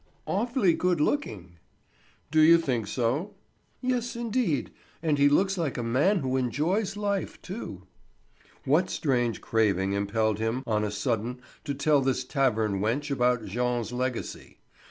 "Awfully good looking." "Do you think so?" "Yes, indeed; and he looks like a man who enjoys life, too." What strange craving impelled him on a sudden to tell this tavern wench about Jean's legacy?